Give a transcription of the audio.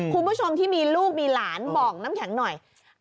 คุณผู้ชมที่มีลูกมีหลานบอกน้ำแข็งหน่อย